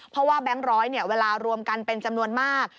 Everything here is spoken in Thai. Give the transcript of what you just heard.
เพราะว่าแบงค์ร้อยเวลารวมกันเป็นจำนวนมาก